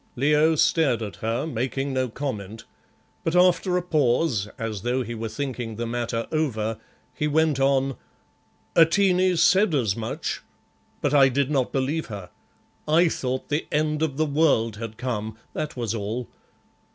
Leo stared at her, making no comment, but after a pause, as though he were thinking the matter over, he went on "Atene said as much, but I did not believe her. I thought the end of the world had come, that was all.